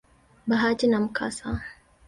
bahati na mkasa.